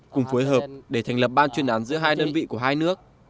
cùng phối hợp để thành lập ban chuyên án giữa hai đơn vị của hai nước